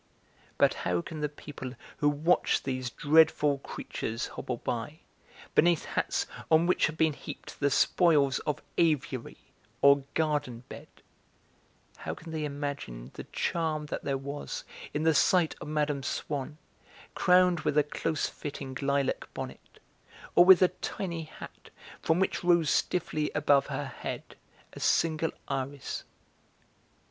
But how can the people who watch these dreadful creatures hobble by, beneath hats on which have been heaped the spoils of aviary or garden bed, how can they imagine the charm that there was in the sight of Mme. Swann, crowned with a close fitting lilac bonnet, or with a tiny hat from which rose stiffly above her head a single iris?"